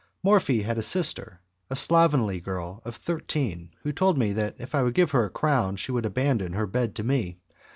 Morphi had a sister, a slovenly girl of thirteen, who told me that if I would give her a crown she would abandon her bed to me.